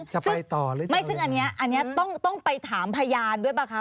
จะไปต่อหรือจะไม่ซึ่งอันนี้ต้องไปถามพยานด้วยป่าวคะ